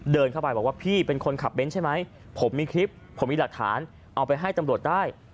เดินเข้าไปบอกว่าพี่เป็นคนขับเน้นใช่ไหมผมมีคลิปผมมีหลักฐานเอาไปให้ตำรวจได้